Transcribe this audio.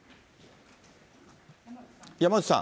山内さん。